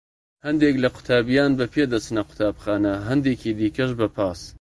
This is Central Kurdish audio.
هەندێک لە قوتابیان بە پێ دەچنە قوتابخانە، هەندێکی دیکەش بە پاس.